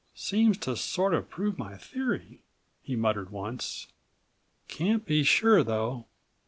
"Seems to sort of prove my theory," he muttered once. "Can't be sure though."